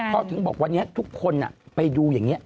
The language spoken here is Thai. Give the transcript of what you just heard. พอถึงบอกวันนี้ทุกคนไปดูอย่างนี้